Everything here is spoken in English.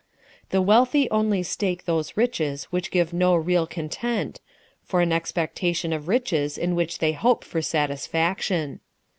The wealthy only stake those riches which give no real content, for an expectation of riches in which they hope for satisfaction.